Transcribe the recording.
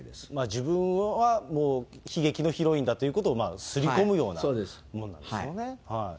自分はもう悲劇のヒロインだということを刷り込むようなものなんですよね。